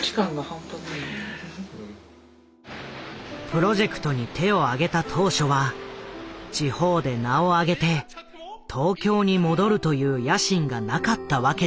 プロジェクトに手を挙げた当初は地方で名を上げて東京に戻るという野心がなかったわけではない。